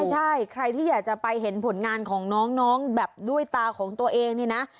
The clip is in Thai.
ใช่ใครที่อยากจะไปเห็นผลงานของน้องแบบด้วยตาของตัวเองเนี่ยนะ